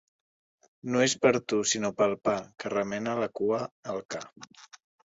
No és per tu, sinó pel pa, que remena la cua el ca.